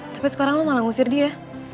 tapi sekarang lo malah ngusir dia